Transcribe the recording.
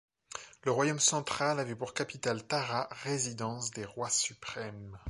Le royaume central avait pour capitale Tara, résidence des rois suprêmes.